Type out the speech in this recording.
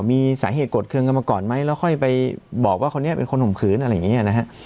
มีสาเหตุกรดเคื้องกันมาก่อนไหมแล้วค่อยไปบอกว่าคนนี้เป็นคนห่มขืน